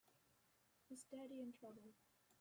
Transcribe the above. Is Daddy in trouble?